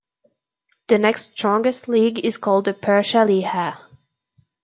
The next strongest league is called the "Persha Liha".